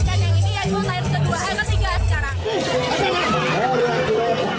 dan yang ini yang diadakan ke tiga sekarang